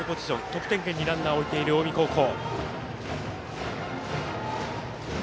得点圏にランナーを置いている近江高校。